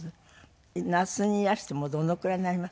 那須にいらしてもうどのくらいになります？